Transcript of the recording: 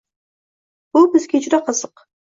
Bu bizga juda qiziq...